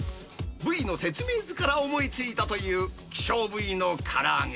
部位の説明図から思いついたという希少部位のから揚げ。